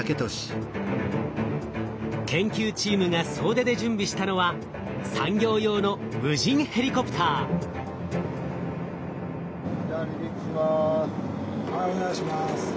研究チームが総出で準備したのは産業用のはいお願いします。